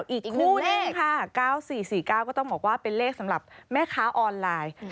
อีกคู่เลขค่ะ๙๔๔๙ก็ต้องบอกว่าเป็นเลขสำหรับแม่ค้าออนไลน์